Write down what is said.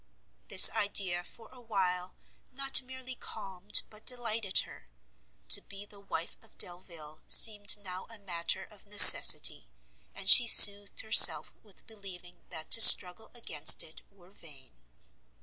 This idea for a while not merely calmed but delighted her; to be the wife of Delvile seemed now a matter of necessity, and she soothed herself with believing that to struggle against it were vain.